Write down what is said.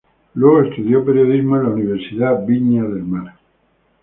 Luego estudió periodismo en la Universidad Viña del Mar.